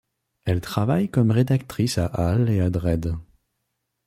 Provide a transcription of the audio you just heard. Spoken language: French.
Elle travaille comme rédactrice à Halle et à Dresde.